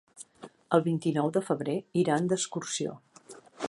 El vint-i-nou de febrer iran d'excursió.